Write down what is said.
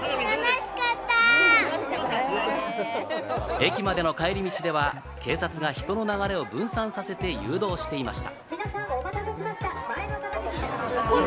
駅までの帰り道では警察が人の流れを分散させて誘導をしていました。